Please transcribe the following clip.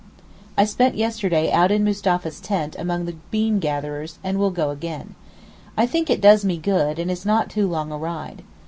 I spent yesterday out in Mustapha's tent among the bean gatherers, and will go again. I think it does me good and is not too long a ride.